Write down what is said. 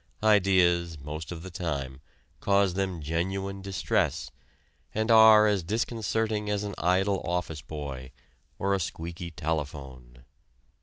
Ideas, most of the time, cause them genuine distress, and are as disconcerting as an idle office boy, or a squeaky telephone.